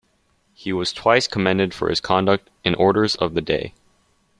He was twice commended for his conduct in orders of the day.